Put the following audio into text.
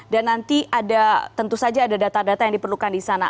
dan nanti ada tentu saja ada data data yang diperlukan di sana